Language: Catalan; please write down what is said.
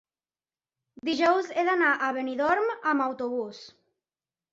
Dijous he d'anar a Benidorm amb autobús.